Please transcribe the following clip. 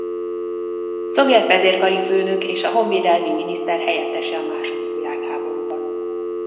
Szovjet vezérkari főnök és a honvédelmi miniszter helyettese a második világháborúban.